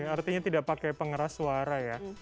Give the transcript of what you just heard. artinya tidak pakai pengeras suara ya